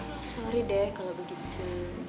ya sorry deh kalau begitu